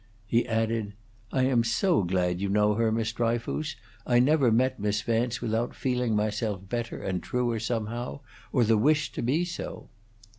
He added: "I am so glad you know her, Miss Dryfoos. I never met Miss Vance without feeling myself better and truer, somehow; or the wish to be so."